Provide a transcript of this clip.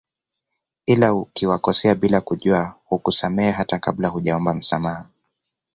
Ila ukiwakosea bila kujua hukusamehe hata kabla hujaomba msamaha